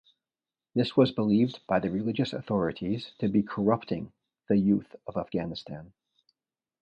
This was believed by the religious authorities to be 'corrupting' the youth of Afghanistan.